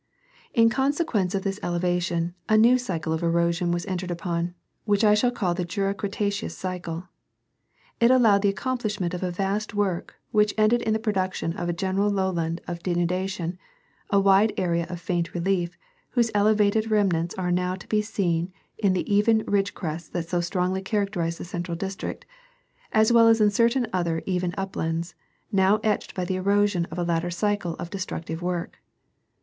— In consequence of this ele vation, a new cycle of erosion was entered upon, which I shall call the Jura Cretaceous cycle. It allowed the accomplishment of a vast work, which ended in the production of a general lowland of denudation, a wide area of faint relief, whose elevated rem nants ai*e now to be seen in the even ridge crests that so strongly characterize the central district, as well as in certain other even uplands, now etched by the erosion of a later cycle of destructive work.